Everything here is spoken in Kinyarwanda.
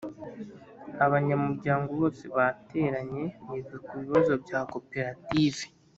abanyamuryango bose bateranye biga ku bibazo bya koperative